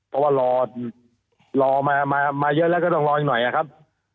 เพราะว่ารอมาเยอะแล้วก็ต้องรออีกหน่อยครับ